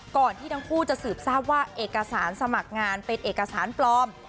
ก่อนที่ทั้งคู่จะสืบทราบว่าเอกสารสมัครงานเป็นเอกสารปลอม